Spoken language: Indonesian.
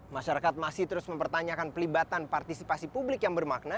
masyarakat masih terus mempertanyakan pelibatan partisipasi publik yang bermakna